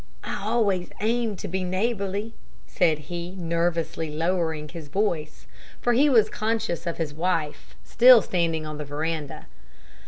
"I always aim to be neighborly," said he, nervously lowering his voice, for he was conscious of his wife, still standing on the veranda.